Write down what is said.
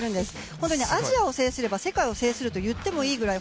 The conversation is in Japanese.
本当に、アジアを制すれば世界を制するといってもいいぐらい